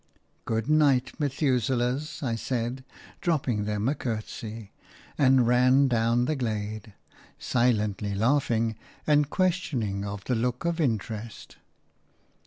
"Good night, Methuselahs!" I said, dropping them a curtsey, and ran down the glade, silently laughing and questioning of the look of interest.